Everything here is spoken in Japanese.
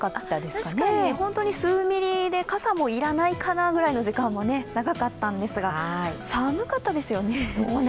確かに、本当に数ミリで傘も要らないぐらいかなみたいな時間が長かったんですが、寒かったですよね。